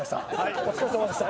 お疲れさまでした。